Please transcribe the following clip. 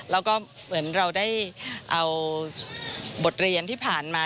แล้วก็เหมือนเราได้เอาบทเรียนที่ผ่านมา